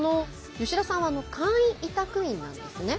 吉田さんは簡易委託員なんですね。